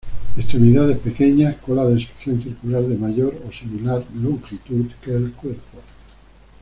Extremidades pequeñas, cola de sección circular de mayor o similar longitud que el cuerpo.